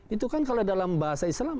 itu kan kalau dalam bahasa islam